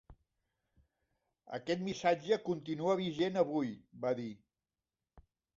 Aquest missatge continua vigent avui, va dir.